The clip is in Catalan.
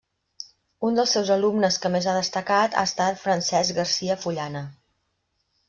Un dels seus alumnes que més ha destacat ha estat Francesc Garcia Fullana.